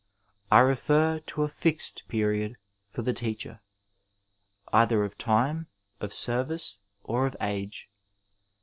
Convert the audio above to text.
I refer to a fixed period for the teacher, either of time of ser vice or of age.